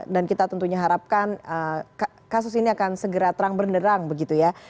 dan kita tentunya harapkan kasus ini akan segera terang berderang begitu ya